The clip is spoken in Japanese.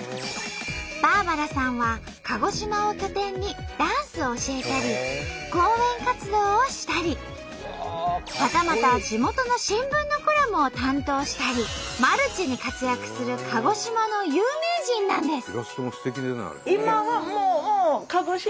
バーバラさんは鹿児島を拠点にダンスを教えたり講演活動をしたりはたまた地元の新聞のコラムを担当したりマルチに活躍する鹿児島の有名人なんです。